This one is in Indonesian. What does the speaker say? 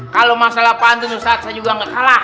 kalau masalah pantun ustadz saya juga gak kalah